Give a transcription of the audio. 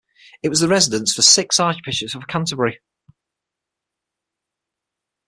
It was the residence for six Archbishops of Canterbury.